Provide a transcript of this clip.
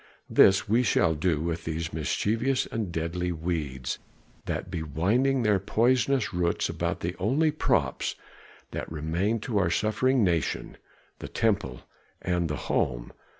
This shall we do with these mischievous and deadly weeds that be winding their poisonous roots about the only props that remain to our suffering nation, the temple and the home.